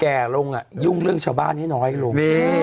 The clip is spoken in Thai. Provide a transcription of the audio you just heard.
แก่ลงยุ่งเรื่องชาวบ้านให้น้อยลง